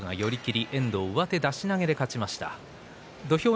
そして、遠藤は上手出し投げで勝ちました。